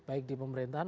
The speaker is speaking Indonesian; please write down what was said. baik di pemerintahan